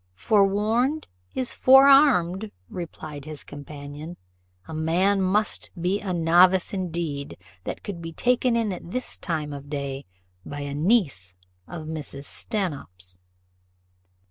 "Fore warned is fore armed," replied his companion: "a man must be a novice indeed that could be taken in at this time of day by a niece of Mrs. Stanhope's."